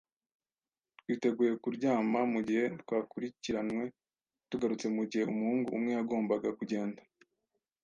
twiteguye kuryama mugihe twakurikiranwe tugarutse, mugihe umuhungu umwe yagombaga kugenda